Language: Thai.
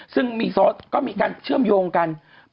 ซึ่งมีการเชื่อมโยงกัน